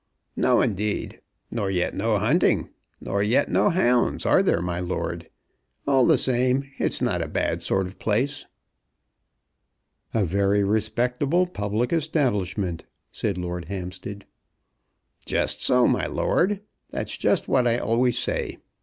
"No, indeed; nor yet no hunting, nor yet no hounds; are there, my lord? All the same, it's not a bad sort of place!" "A very respectable public establishment!" said Lord Hampstead. "Just so, my lord; that's just what I always say.